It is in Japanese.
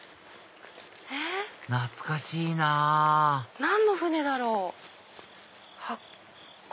懐かしいなぁ何の船だろう？